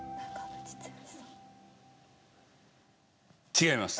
違います。